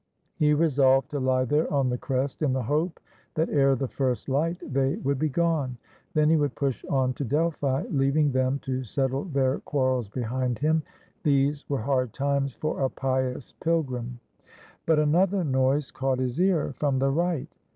He resolved to lie there on the crest, in the hope that ere the first light they would be gone. Then he would push on to Delphi, leaving them to settle their quarrels behind him. These were hard times for a pious pilgrim. But another noise caught his ear from the right.